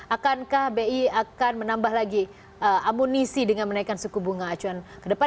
akankah bi akan menambah lagi amunisi dengan menaikkan suku bunga acuan ke depan